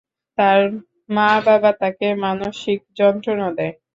তার মা-বাবা তাকে মানসিক যন্ত্রণা দেয়।